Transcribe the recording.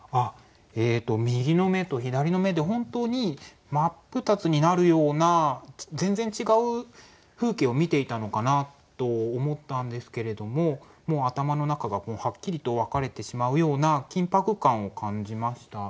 右の眼と左の眼で本当に真っ二つになるような全然違う風景を見ていたのかなと思ったんですけれども頭の中がはっきりと分かれてしまうような緊迫感を感じました。